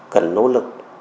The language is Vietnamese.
cần nỗ lực